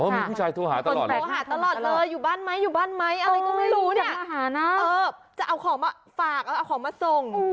มีผู้ชายโทรหาตลอดโทรหาตลอดเลยอยู่บ้านไหมอยู่บ้านไหมอะไรก็ไม่รู้เนี่ยจะเอาของมาฝากเอาของมาส่ง